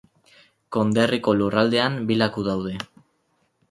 Konderriko lurraldean, bi laku daude.